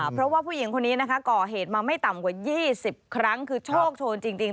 เพราะว่าผู้หญิงคนนี้นะคะก่อเหตุมาไม่ต่ำกว่า๒๐ครั้งคือโชคโชนจริง